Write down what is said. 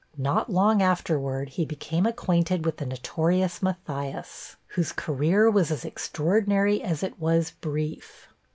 Not long afterward, he became acquainted with the notorious Matthias, whose career was as extraordinary as it was brief.